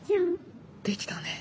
できたね。